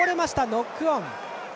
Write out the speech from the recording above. ノックオン。